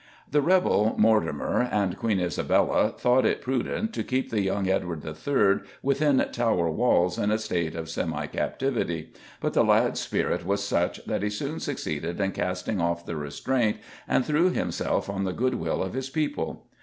The rebel Mortimer and Queen Isabella thought it prudent to keep the young Edward III. within Tower walls in a state of semi captivity, but the lad's spirit was such that he soon succeeded in casting off the restraint and threw himself on the goodwill of his people.